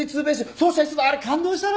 走者一掃のあれ感動したな！